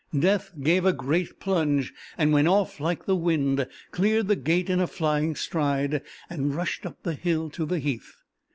Death gave a great plunge, and went off like the wind, cleared the gate in a flying stride, and rushed up the hill to the heath.